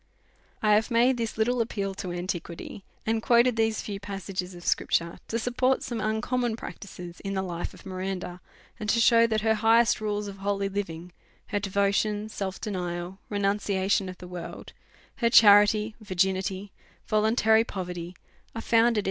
I have made this little appeal to antiquity, and quot ed these few passages of scripture, to support some uncommon practices in the life of Miranda, and to shew that her highest rules of holy living, her devo tion, self denial, renunciation of the world, her chari ty, virginity, and voluntary poverty, are founded on t)EVOUT AND HOLY LIFE.